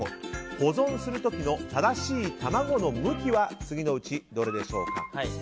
保存する時の正しい卵の向きは次のうちどれでしょうか。